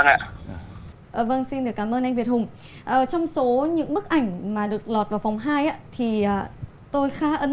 ừ vâng xin được cảm ơn anh việt hùng trong số những bức ảnh mà được lọt vào phòng hai thì tôi khá ấn